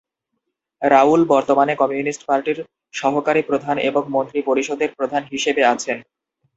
Raul বর্তমানে communist পার্টির সহকারী প্রধান এবং মন্ত্রী পরিষদের প্রধান হিসেবে আছেন।